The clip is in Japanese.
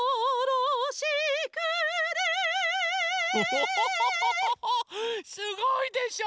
ホホホホホホホすごいでしょ！